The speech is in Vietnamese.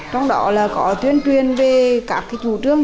trong đó là có tuyên truyền về các chủ trương